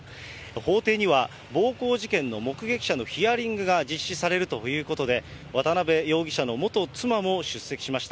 法廷には、暴行事件の目撃者のヒアリングが実施されるということで、渡辺容疑者の元妻も出席しました。